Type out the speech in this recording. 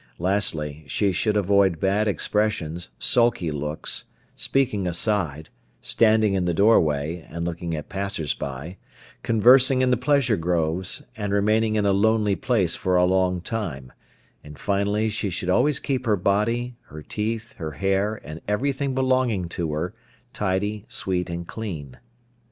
Lastly she should avoid bad expressions, sulky looks, speaking aside, standing in the doorway, and looking at passers by, conversing in the pleasure groves, and remaining in a lonely place for a long time; and finally she should always keep her body, her teeth, her hair, and everything belonging to her tidy, sweet, and clean.